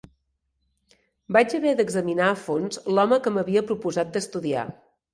Vaig haver d'examinar a fons l'home que m'havia proposat d'estudiar.